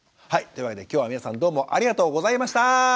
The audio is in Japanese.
というわけできょうは皆さんどうもありがとうございました。